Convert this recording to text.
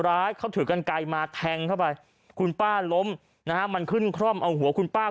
ร้ายเขาถือกันไกลมาแทงเข้าไปคุณป้าล้มนะฮะมันขึ้นคร่อมเอาหัวคุณป้า